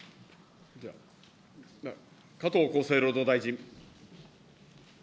加藤厚生労働大臣。